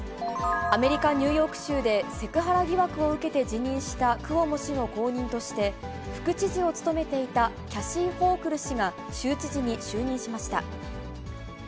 アメリカ・ニューヨーク州で、セクハラ疑惑を受けて辞任したクオモ氏の後任として、副知事を務めていたキャシー・ホークル氏が、州知事に就任しました。